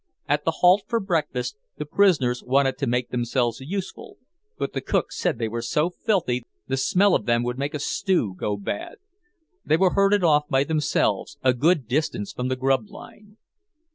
At the halt for breakfast, the prisoners wanted to make themselves useful, but the cook said they were so filthy the smell of them would make a stew go bad. They were herded off by themselves, a good distance from the grub line.